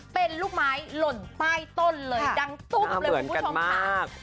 เป็นลูกไม้หล่นใต้ต้นเลยดังตุ๊บเลยคุณผู้ชมค่ะ